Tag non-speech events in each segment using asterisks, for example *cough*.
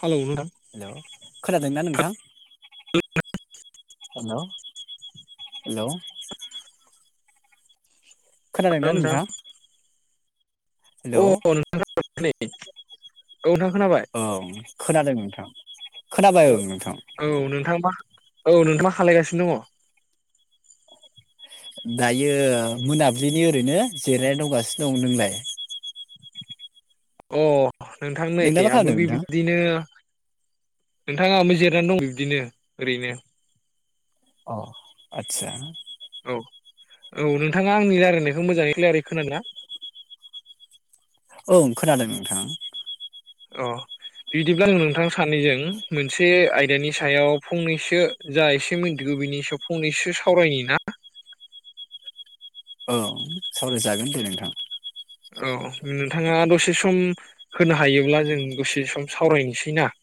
Hello नोंथां hello खोनादोंना नोंथां। *unintelligible* हेल' हेल'। हेलौ खोनादोंना नोंथां नोंथाङा। *unintelligible* औव खोनादों नोंथां। खोनाबाय ओं नोंथां औव नोंथां मा औव नोंथाङ मा खालायगासिनो दङ। दायो मोनाबिलिनि ओरैनो जिरायनानै दंगासिनो दं नोंलाय अ नोंथां नै नोंलाय मा आंबो खालामदों नोंथां? बिबदिनो नोंथाङााबो जिरनानै दं बिबदिनो ओरैनो औव आचसा औव नोंथाङा आंनि रायलायनायखौ मोजाङै क्लायरै खोना औव खोनादों नोंथां अ बिदिब्ला आङ नोंथां सानैजों मोनसे आयदानि सायाव फंनैसो जा एसे मिन्थिगौ बिनि सायाव फंनैसो सावरायनि ना? ओ सावरायजागोन दे नोंथां । औ नोंथाङा दसे सम होनो हायोब्ला जों दसे सम सावरायनोसैना *inaudible*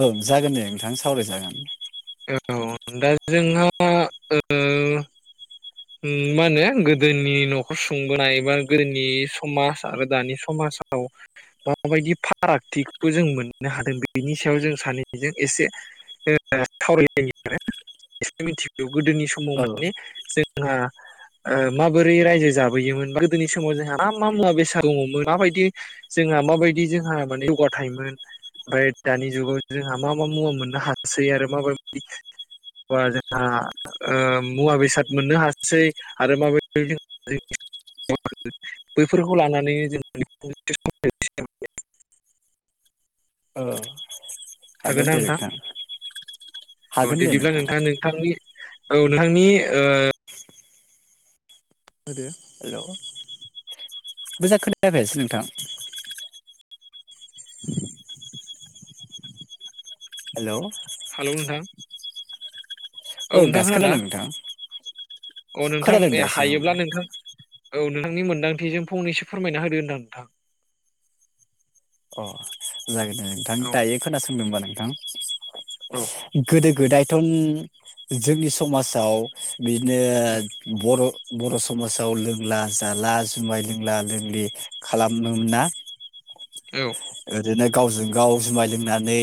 औ जागोन दे नोंथां सावरायजागोन। औ दा जोंहा ओ ओम मा होनो गोदोनि न'खर सुंबोनाय एबा गोदोनि समाज आरो दानि समाज माबायदि फारागथिखौ जों मोननो हादों बेनि सायाव जों सानैजों एसे ओ सावरायलायनि आरो एसे मोनथिगौ गोदोनि समाव औ माने जों हा ओ माबोरै रायजो जाबोयोमोन बा गोदोनि समाव जोंहा मा मा मुवा बेसाद दङमोन माबायदि जों जोंहा माबायदि जोंहा माने जौगाथायमोन ओमफ्राय दानि जुगाव जोंहा मा मा मुवा मोननो हासै आरो माबायदि बा जोंहा ओ मुवा बेसाद मोननो हाससै आरो माबायदि *unintelligible* बैफोरखौ लानानैनो जों *unintelligible* औ हागोन दे नोंथां। औ हागोन दे बिदिब्ला नोंथां नोंथाङा नोंथांनि औ नोंथांनि ओ आरोे हेलौ मोजां खोनाफैयासै नोंथां। *inaudible* हेलौ बुं नोंथां औ नोंथां दासो खोनादोंना खोनादों नोंथां औ नोंथां खोनादों दासो ओं हायोब्ला नोंथां औ नोंथांनि मोनदांथिजों फंनैसो फोरमायना होदो होनदां नोंथां। जागोनदे नोंथां औ दायो खोनासंदों ओमबा नोंथां औ गोदो गोदाय बाथन जोंनि समाजाव बिदिनो बर' बर' समाजाव लोंला जाला जुमाय लोंला लोंलि खालामोमोनना औ। ओरैनो गावजों गाव जुमाय लोंनानै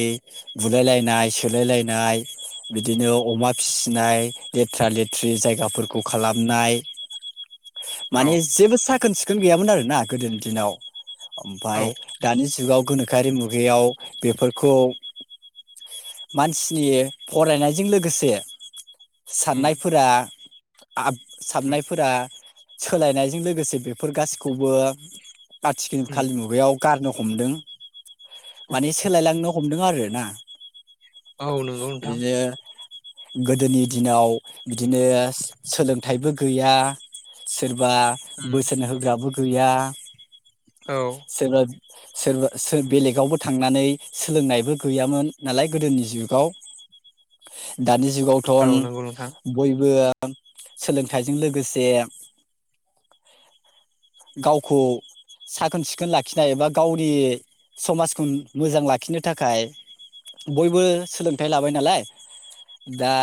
बुलायलायनाय सोलायलायनाय बिदिनो अमा फिसिनाय लेथ्रा लेथ्रि जायगाफोरखौ खालामनाय *inaudible* औ माने जेबो साखोन सिखोन गैयामोन आरोना गोदोनि दिनाव औ ओमफ्राय दानि जुग जुगाव गोनोखोआरि मुगायाव बेफोरखौ मानसिनि फरायनायजों लोगोसे साननायफोरा आब साबनायफोरा सोलायनायजों लोगोसे बेफोर गासिखौबो आथिखाल खालि मुगायाव गारनो हमदों माने सोलायलांनो हमदों आरोना। औ नंगौ नोंथां। बिदिनो गोदोनि दिनाव बिदिनो सोलोंथाइबो गैया सोर बा बोसोन होग्राबो गैया औ सोरबा सोरबा सो बेलेगावबो थांनानै सोलोंनायबो गैयामोन नालाय गोदोनि जुगाव । *inaudible* दानि औ जुगावथन नंगौ नोंथां बयबो सोलोंथाइजों लोगोसे *inaudible* गावखौ साखोन सिखोन लाखिनाय एबा गावनि समाजखौ मोजां लाखिनो थाखाय बयबो सोलोंथाइ लाबाय नालाय दा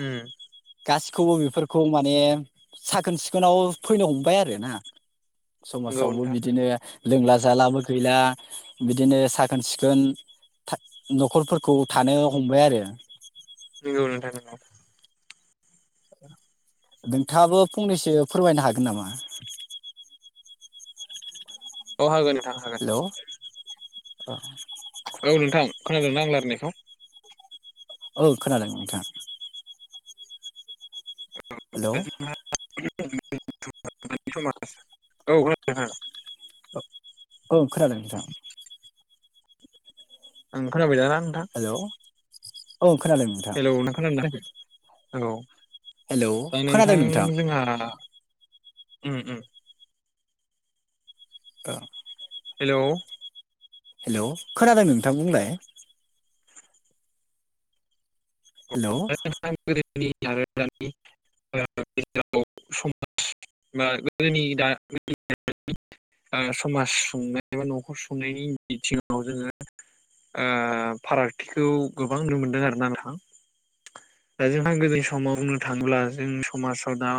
ओम। गासिखौबो बेफोरखौ माने साखोन सिखोनाव फैनो हमबाय आरोना। समाजावबो नोंथां बिदिनो लोंला जालाबो गैला बिदिनो साखोन सिखोन था न'खरफोरखौ थानो हमबाय आरो। नोंगौ नोंथां नोंगौ। नोंथाङाबो फंनैसो फोरमायनो हागोन नामा? अह हागोन ओ। हेल'? खोनादों ना आं लारायनायखौ? औ खोनादों नोंथां। हेलौ *unintelligible* *unintelligible* औ *unintelligible* ओ औ खोनादों नोंथां। ओं खोनबाय दाना। हेल' औ। हेल' नों खोनादों ना खोनायाखै हेल' हेलौ दा खोनादों नोंथां जोंहा उम उम। दा हेल'? हेल' खोनादों नोंथां बुंलाय। *unintelligible* हेलौ *unintelligible* समाज मा गोदोनि दा *unintelligible* ओ समाज सुंनाय बा न'खर सुंनायनि बिथिङाव जोङो ओ फारागथिखौ गोबां नुनो मोनदों आरोना नोंथां। दा जोंहा गोदोनि समाव बुंनो थाङोब्ला जों समाजाव दा